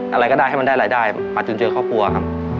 อะไรก็ได้ให้มันได้รายได้มาจุนเจอครอบครัวครับ